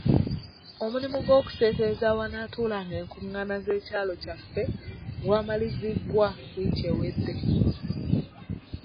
Omulimu gw'okuseeteeza awanaatuulanga enkungaana z'ekyalo kyaffe gwamalirizibwa wiiki ewedde.